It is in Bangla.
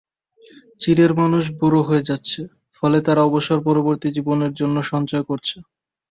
চীনের মানুষ বুড়ো হয়ে যাচ্ছে, ফলে তারা অবসর-পরবর্তী জীবনের জন্য সঞ্চয় করছে।